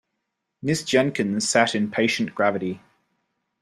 Miss Jenkyns sat in patient gravity.